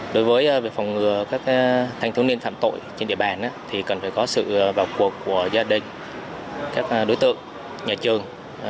đối với phòng ngừa các thanh thiếu niên phạm tội trên địa bàn thì cần phải có sự vào cuộc của gia đình các đối tượng nhà trường